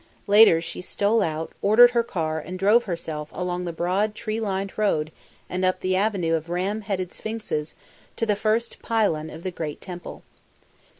Later, she stole out, ordered her car and drove herself along the broad tree lined road and up the avenue of ram headed Sphinxes to the first pylon of the great Temple.